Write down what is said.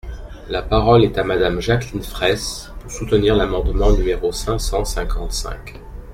La parole est à Madame Jacqueline Fraysse, pour soutenir l’amendement numéro cinq cent cinquante-cinq.